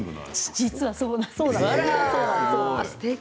実はそうなんです。